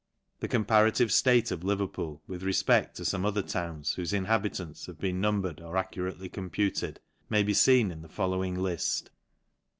The comparative ftate }f Lever pool, with refpect; to fome other towns, whofe inhabitants have been numbered or accu ately computed, may be ktn in the following lift.